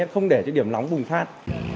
không để điểm nóng bùng phát